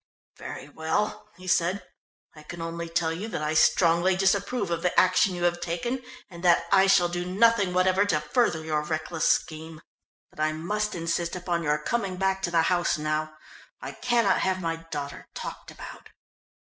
"Very well," he said, "I can only tell you that I strongly disapprove of the action you have taken and that I shall do nothing whatever to further your reckless scheme. But I must insist upon your coming back to the house now. I cannot have my daughter talked about."